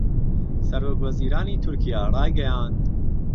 سەرۆکوەزیرانی تورکیا رایگەیاند